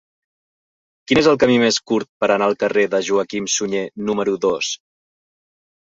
Quin és el camí més curt per anar al carrer de Joaquim Sunyer número dos?